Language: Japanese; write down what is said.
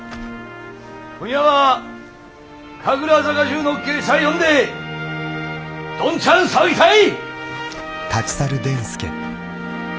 今夜は神楽坂中の芸者呼んでどんちゃん騒ぎたい！